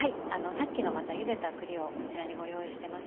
さっきのゆでた栗をこちらにご用意してます。